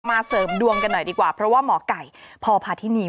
เสริมดวงกันหน่อยดีกว่าเพราะว่าหมอไก่พพาธินี